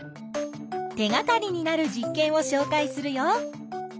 手がかりになる実験をしょうかいするよ。